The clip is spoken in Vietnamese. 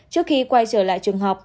trước khi quay trở lại trường học